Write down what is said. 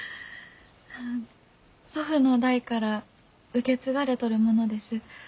祖父の代から受け継がれとるものです。